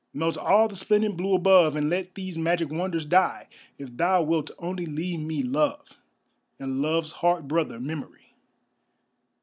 Melt all the splendid blue above And let these magic wonders die, If thou wilt only leave me Love And Love's heart brother Memory.